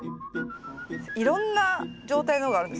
いろんな状態のがあるんですね